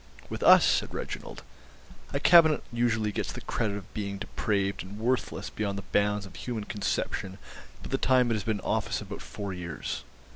"With us," said Reginald, "a Cabinet usually gets the credit of being depraved and worthless beyond the bounds of human conception by the time it has been in office about four years."